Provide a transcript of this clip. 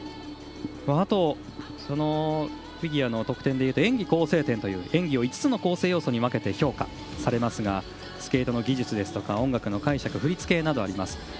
あと、フィギュアの得点でいうと演技構成点でいう演技を５つの構成で分けて評価されますがスケートの技術や音楽の解釈振り付けなどがあります。